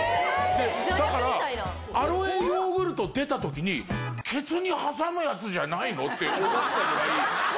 だから、アロエヨーグルト出たときに、けつに挟むやつじゃないの？って思ったぐらい。